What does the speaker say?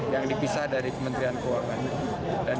yang dipisah dari kementerian keuangan